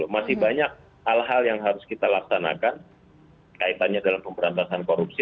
masih banyak hal hal yang harus kita laksanakan kaitannya dalam pemberantasan korupsi